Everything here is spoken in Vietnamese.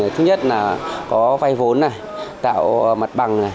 thứ nhất là có vai vốn tạo mặt bằng